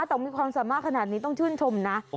แต่มีความสามารถขนาดนี้ต้องชื่นชมนะ